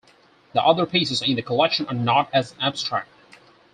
The other pieces in the collection are not as abstract.